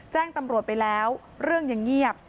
แจ้งตำรวจไปแล้วเรื่องยังเงียบ